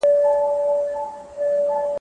پېزوان به هم پر شونډو سپور وو اوس به وي او کنه.